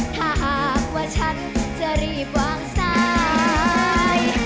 ถ้าหากว่าฉันจะรีบวางสาย